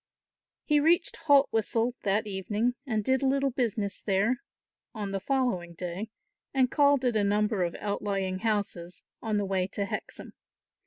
He reached Haltwhistle that evening and did a little business there on the following day and called at a number of outlying houses on the way to Hexham.